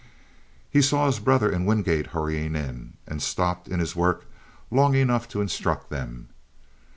He saw his brother and Wingate hurrying in, and stopped in his work long enough to instruct them.